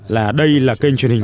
là đây là kênh truyền hình